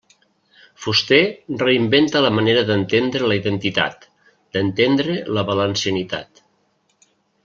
Fuster reinventa la manera d'entendre la identitat, d'entendre la valencianitat.